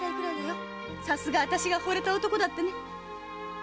さすがあたしが惚れた男だってね。